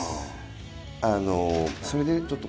あのそれでちょっと。